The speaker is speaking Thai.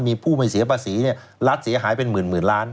มีผู้ไม่เสียภาษีรัฐเสียหายเป็นหมื่นล้าน